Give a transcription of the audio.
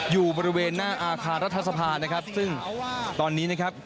อยู่บริเวณหน้าอาคารรัฐสภานะครับซึ่งตอนนี้นะครับ